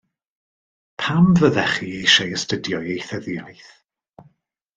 Pam fyddech chi eisiau astudio ieithyddiaeth?